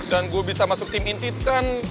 dan gue bisa masuk tim intit kan